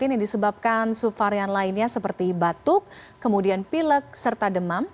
yang disebabkan subvarian lainnya seperti batuk kemudian pilek serta demam